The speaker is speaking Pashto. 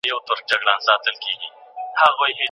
وروسته پاته والی د جګړو له امله راځي.